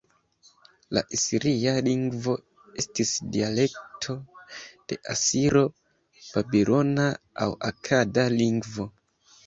La asiria lingvo estis dialekto de asiro-babilona aŭ akada lingvo.